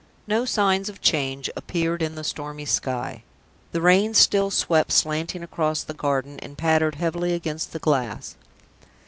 No signs of change appeared in the stormy sky. The rain still swept slanting across the garden, and pattered heavily against the glass.